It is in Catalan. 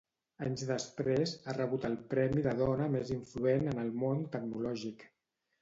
Anys després, ha rebut el premi de dona més influent en el món tecnològic.